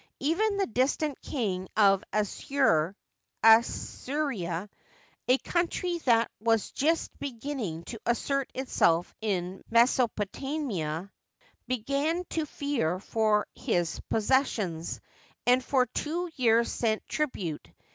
Even the distant King of Assur ^Assyria), a countiy that was just beginning to assert itself in Mesopotamia, began to fear for his possessions, and for two years sent tribute.